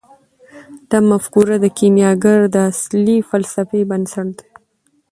دا مفکوره د کیمیاګر د اصلي فلسفې بنسټ دی.